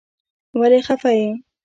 ولې خفه يې.